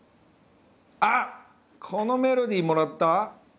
あっこのメロディーもらった？